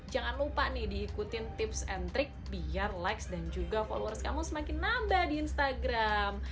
jangan lupa nih diikutin tips and trik biar likes dan juga followers kamu semakin nambah di instagram